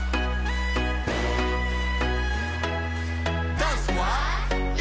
ダンスはＥ！